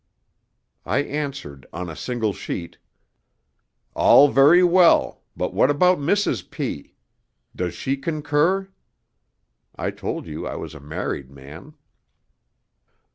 '_ I answered on a single sheet: 'All very well, but what about Mrs. P.? Does she concur?' (I told you I was a married man.)